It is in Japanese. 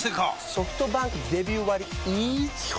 ソフトバンクデビュー割イズ基本